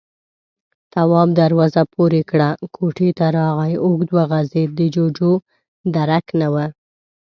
تواب دروازه پورې کړه، کوټې ته راغی، اوږد وغځېد، د جُوجُو درک نه و.